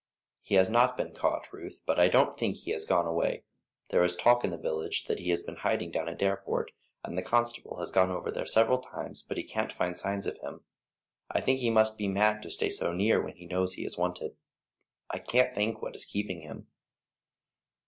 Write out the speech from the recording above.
"He has not been caught, Ruth, but I don't think he has gone away; there is a talk in the village that he has been hiding down at Dareport, and the constable has gone over there several times, but he can't find signs of him. I think he must be mad to stay so near when he knows he is wanted. I can't think what is keeping him."